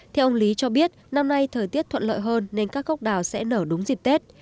theo ông lý cho biết năm nay thời tiết thuận lợi hơn nên các cốc đào sẽ nở đúng dịp tết